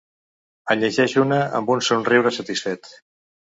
En llegeix una amb un somriure satisfet.